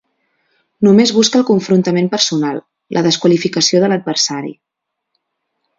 Només busca el confrontament personal, la desqualificació de l’adversari.